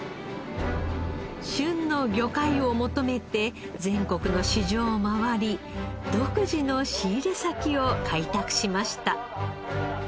旬の魚介を求めて全国の市場を回り独自の仕入れ先を開拓しました。